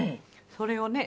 それをね